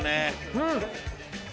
うん！